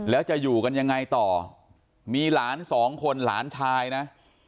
แล้วจะอยู่กันยังไงต่อมีหลานสองคนหลานชายนะ